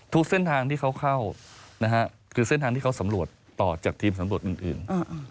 ทุกเส้นทางที่เขาเข้าคือเส้นทางที่เขาสำรวจต่อจากทีมสำรวจอื่น